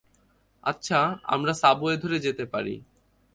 আচ্ছা, আমরা সাবওয়ে ধরে যেতে পারি।